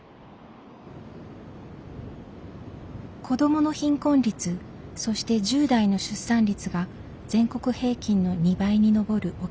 子どもの貧困率そして１０代の出産率が全国平均の２倍に上る沖縄。